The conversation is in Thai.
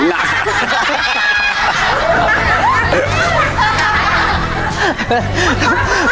หนัก